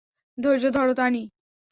ধৈর্য ধরো, তানি।